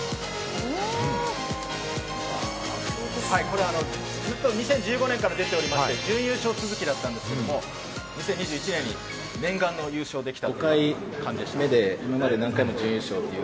これ２０１５年から出ておりまして準優勝続きだったんですけれども、２０２１年に念願の優勝ができた。